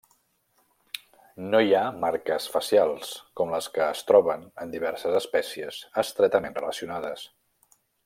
No hi ha marques facials com les que es troben en diverses espècies estretament relacionades.